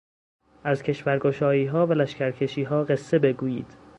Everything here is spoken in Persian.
از کشورگشاییها و لشکرکشیها قصه بگویید